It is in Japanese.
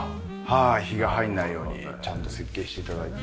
日が入らないようにちゃんと設計して頂いて。